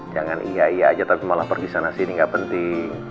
jangan iya iya aja tapi malah pergi sana sini gak penting